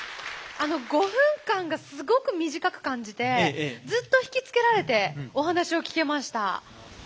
５分間がすごく短く感じてずっと引きつけられてお話を聞けました。